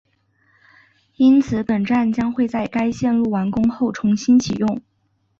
因此本站将会在该线路完工后重新启用